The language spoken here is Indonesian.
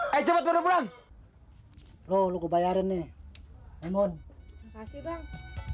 hai cepet pulang pulang lu kebayaran nih emon kasih bang